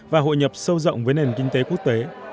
và hội nhập sâu rộng với nền kinh tế quốc tế